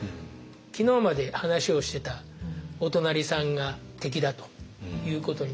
昨日まで話をしてたお隣さんが敵だということになってしまうので。